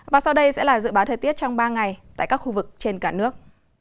và sau đây sẽ là dự báo thời tiết trong ba ngày tại các khu vực trên cả nước